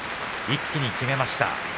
一気に決めました。